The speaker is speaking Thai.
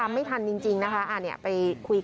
อัศวินธรรมชาติ